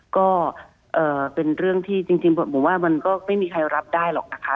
ก็เป็นเรื่องที่จริงผมว่ามันก็ไม่มีใครรับได้หรอกนะคะ